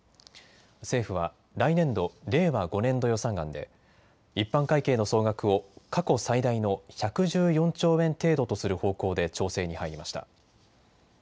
政府は来年度・令和５年度予算案で一般会計の総額を過去最大の１１４兆円程度とする方向で調整に入りました。